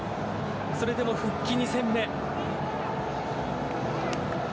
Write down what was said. それでも復帰２戦目。